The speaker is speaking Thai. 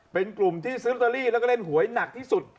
เป็นกลุ่มที่ซื้อลอตเตอรี่แล้วก็เล่นหวยหนักที่สุด